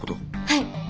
はい。